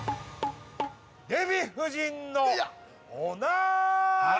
◆デヴィ夫人のおなり！